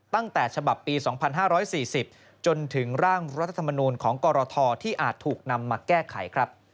ตั้งแต่ฉบับปี๒๕๔๐จนถึงร่างรัฐธรรมนูลของกรทที่อาจถูกนำมาแก้ไขครับ